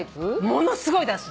ものすごい出す。